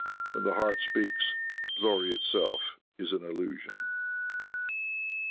When the heart speaks, glory itself is an illusion."